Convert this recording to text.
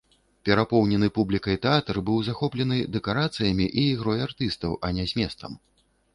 Перапоўнены публікай тэатр быў захоплены дэкарацыямі, ігрой артыстаў, а не зместам.